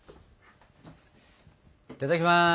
いただきます！